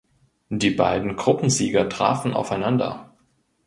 Die beiden Gruppensieger trafen aufeinander.